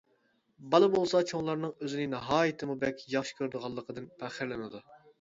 بالا بولسا چوڭلارنىڭ ئۆزىنى ناھايىتىمۇ بەك ياخشى كۆرىدىغانلىقىدىن پەخىرلىنىدۇ.